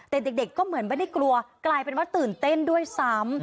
แต่เด็กก็เหมือนไม่ได้กลัวกลายเป็นว่าตื่นเต้นด้วยซ้ำ